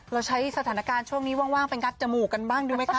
เราใช้สถานการณ์ช่วงนี้ว่างไปงัดจมูกกันบ้างดูไหมคะ